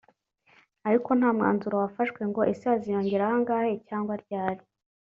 ariko nta mwanzuro wafashwe ngo ese haziyongeraho angahe cyangwa ryari